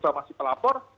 terima kasih pelapor